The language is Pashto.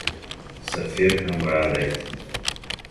سفیر هم راغی.